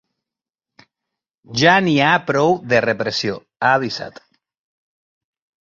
Ja n’hi ha prou de repressió, ha avisat.